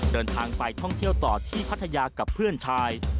เดินทางไปท่องเที่ยวต่อที่พัทยากับเพื่อนชาย